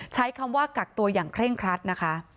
ใช้คำว่ากักตัวอย่างเคร่งครัดนะคะ